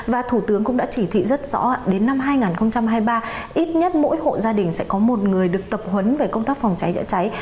và thủ tướng cũng đã chỉ thị rất rõ đến năm hai nghìn hai mươi ba ít nhất mỗi hộ gia đình sẽ có một người được tập huấn về công tác phòng cháy chữa cháy